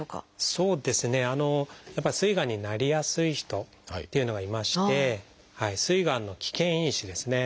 そうですねやっぱりすいがんになりやすい人っていうのがいましてすいがんの危険因子ですね